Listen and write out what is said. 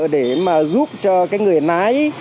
để mà giúp cho cái người nái